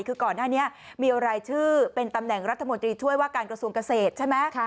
คือก่อนหน้านี้มีรายชื่อเป็นตำแหน่งรัฐมนตรีช่วยว่าการกระทรวงเกษตรใช่ไหม